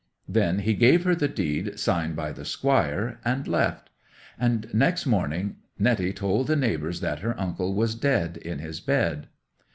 Then he gave her the deed signed by the Squire, and left; and next morning Netty told the neighbours that her uncle was dead in his bed.